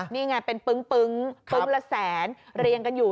นี่ไงเป็นปึ้งปึ้งละแสนเรียงกันอยู่